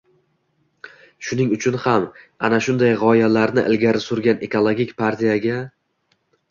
Shuning uchun ham, ana shunday g‘oyalarni ilgari surgan Ekologik partiyaga